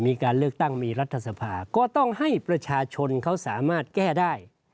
มีการเลือกตั้งมีรัฐสภาก็ต้องให้ประชาชนเขาสามารถแก้ได้